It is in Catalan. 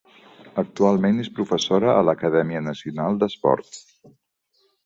Actualment és professora a l'acadèmia nacional d'esports.